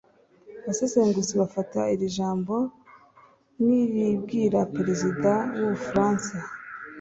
Abasesenguzi bafata iri jambo nk’iribwira Perezida w’u Bufaransa